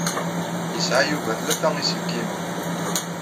Yesɛa Yuba tlata iselkimen.